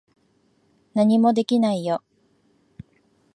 何もできないよ。